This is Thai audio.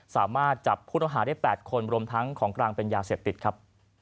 สามารถจับผู้ต้องหาได้๘คนรวมทั้งของกลางเป็นยาเสพติดครับ